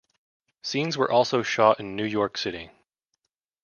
Scenes were also shot in New York City.